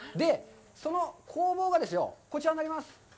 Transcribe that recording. その工房がですよ、こちらになります。